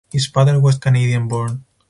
His father was Canadian born.